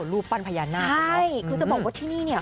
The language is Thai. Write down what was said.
รูปปั้นพญานาคใช่คือจะบอกว่าที่นี่เนี่ย